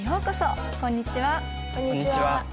こんにちは。